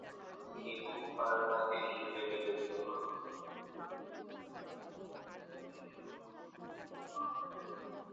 তিনি কুফার কাজি হিসেবে নিযুক্ত হন।